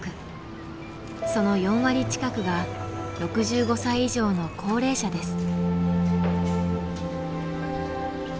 その４割近くが６５歳以上の高齢者です。